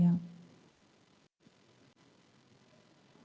tidak hanya untuk kas operasional saja yang mulia